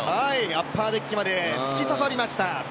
アッパーデッキまで突き刺さりました。